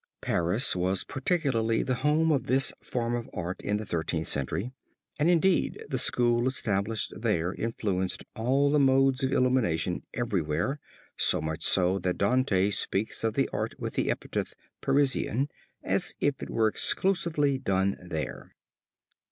Paris was particularly the home of this form of art in the Thirteenth Century, and indeed the school established there influenced all the modes of illumination everywhere, so much so that Dante speaks of the art with the epithet "Parisian," as if it were exclusively done there.